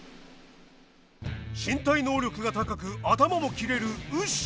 身体能力が高く頭も切れるウシ。